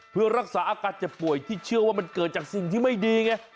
เพื่อรักษาอาการเจ็บป่วยที่เชื่อว่ามันเกิดจากสิ่งที่ไม่ดีไง